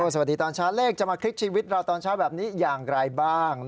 สวัสดีตอนเช้าเลขจะมาคลิกชีวิตเราตอนเช้าแบบนี้อย่างไรบ้าง